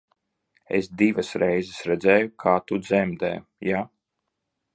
Es divas reizes redzēju, kā tu dzemdē, ja?